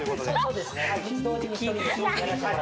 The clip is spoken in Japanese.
そうですね。